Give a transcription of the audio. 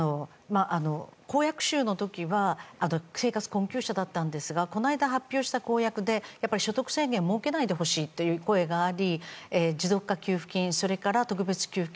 公約の時は生活困窮者だったんですがこの間、発表した公約で所得制限を加えないでほしいという声があり持続化給付金、それから特別給付金